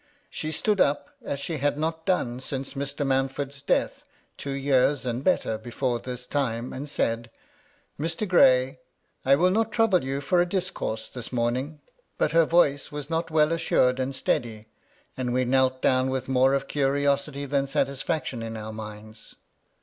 She stood up, as she had not done since Mr. Mountford's death, two years and better before this time, and said, —" Mr. Gray, I will not trouble you for a discourse this morning." 32 MY LADY LUDLOW. But her voice was not well assured and steady ; and we knelt down with more of curiosity than satis&ction in our minds.